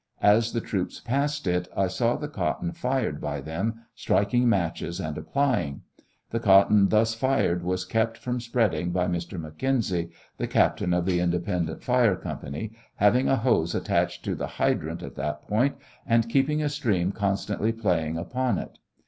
As the troops passed it, I saw the cotton fired by them striking matches and applying. The cotton thus fired was kept from spread ing by Mr. McKenzie, the Captain of the Independent Fire Company, having a hose attached to the hydrant at that point, and keeping a stream constantly playing upon it.